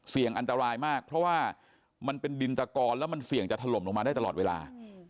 อันตรายมากเพราะว่ามันเป็นดินตะกอนแล้วมันเสี่ยงจะถล่มลงมาได้ตลอดเวลา